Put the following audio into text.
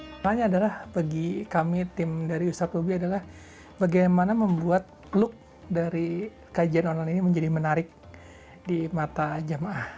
pertanyaannya adalah bagi kami tim dari ustadz lobi adalah bagaimana membuat look dari kajian online ini menjadi menarik di mata jamaah